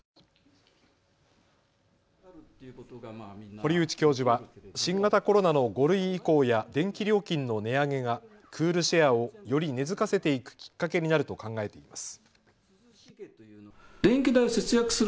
堀内教授は新型コロナの５類移行や電気料金の値上げがクールシェアをより根づかせていくきっかけになると考えています。